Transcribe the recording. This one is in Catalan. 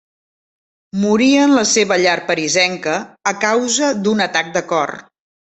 Morí en la seva llar parisenca a causa d'un atac de cor.